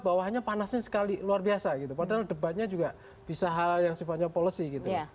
bawahannya panasnya sekali luar biasa gitu padahal debatnya juga bisa hal hal yang sifatnya policy gitu